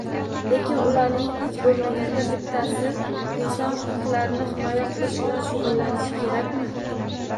Lekin ularning hech bo‘lmaganda bittasi inson huquqlarini himoya qilish bilan shug‘ullanishi kerakmi?